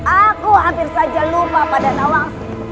aku hampir saja lupa pada nawas